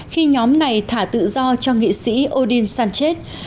khi nhóm này thả tự do cho nghị sĩ odin sanchez